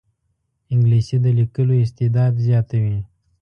انګلیسي د لیکلو استعداد زیاتوي